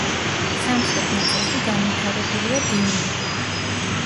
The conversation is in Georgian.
სამხრეთ ნაწილში განვითარებულია დიუნები.